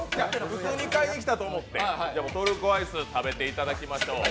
普通に買いに来たと思って、トルコアイス食べていただきましょう。